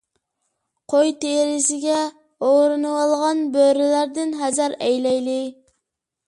قوي تېرىسىگە ئورىنىۋالغان بۆرىلەردىن ھەزەر ئەيلەيلى.